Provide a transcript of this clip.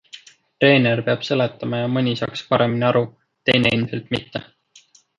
Treener peab seletama ja mõni saaks paremini aru, teine ilmselt mitte.